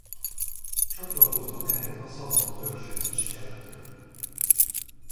Csatlakoztak ehhez a szabad törzsek is keletről.